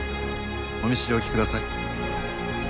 お見知りおきください。